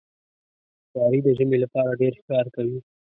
ښکاري د ژمي لپاره ډېر ښکار کوي.